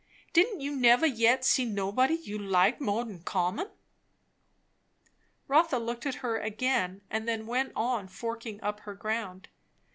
"Didn't you never yet see nobody you liked more 'n common?" Rotha looked at her again, and then went on forking up her ground.